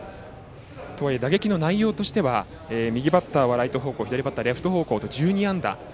とはいえ、打撃の内容としては右バッターはライト方向左バッターはレフト方向で１２安打。